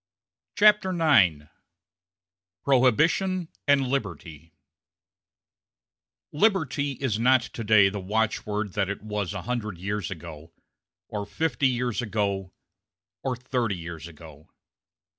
CHAPTER IX PROHIBITION AND LIBERTY Liberty is not to day the watchword that it was a hundred years ago, or fifty years ago, or thirty years ago.